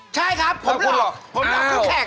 ใช่ครับผมหลอกเค้าแข่ง